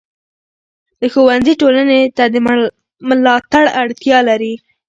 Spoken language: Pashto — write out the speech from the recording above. د ښوونځي ټولنې ته د ملاتړ اړتیا لري.